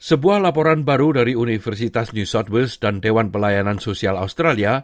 sebuah laporan baru dari universitas new southeast dan dewan pelayanan sosial australia